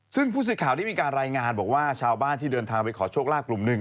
ซึ่งผู้สื่อข่าวได้มีการรายงานบอกว่าชาวบ้านที่เดินทางไปขอโชคลาภกลุ่มหนึ่ง